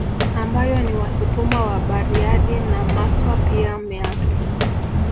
Ambayo ni Wasukuma wa Bariadi na Maswa pia Meatu